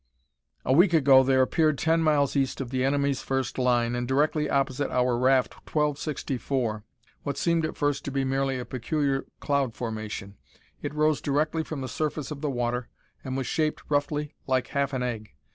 "A week ago there appeared, ten miles east of the enemies' first line, and directly opposite our raft 1264, what seemed at first to be merely a peculiar cloud formation. It rose directly from the surface of the water, and was shaped roughly like half an egg.